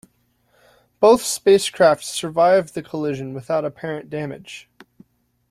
Both spacecraft survived the collision without apparent damage.